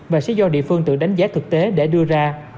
và sẽ do địa phương tự đánh giá thực tế để đưa ra